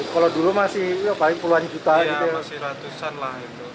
kalau dulu masih puluhan juta gitu ya iya masih ratusan lah